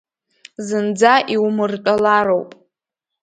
Зынӡа иумыртәалароуп…